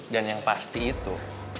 dan yang pasti itu